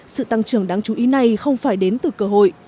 sự tăng trưởng đáng chú ý này không phải đến từ cơ hội